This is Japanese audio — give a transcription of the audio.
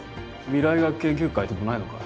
未来医学研究会ってもうないのか？